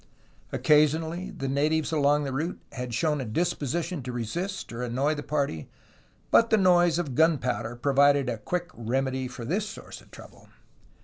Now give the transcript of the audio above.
Occasionally the natives along the route had shown a disposition to resist or annoy the party, but the noise of gunpowder provided a quick remedy for this source of trouble.